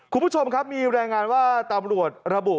คุณผู้ชมครับมีรายงานว่าตำรวจระบุ